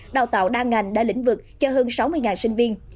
đào tạo đa ngành đa lĩnh vực cho hơn sáu mươi sinh viên